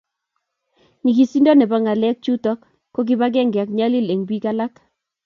nyigisindo nebo ngalek chutok ko kibagenge ak nyalil eng piik alak